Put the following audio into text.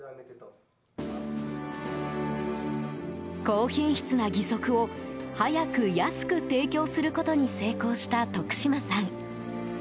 高品質な義足を早く安く提供することに成功した徳島さん。